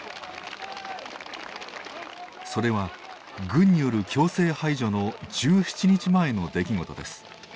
それは軍による強制排除の１７日前の出来事です。